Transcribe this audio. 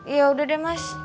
ya udah deh mas